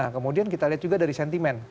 nah kemudian kita lihat juga dari sentimen